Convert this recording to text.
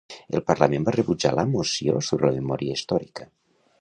El Parlament va rebutjar la moció sobre la memòria històrica.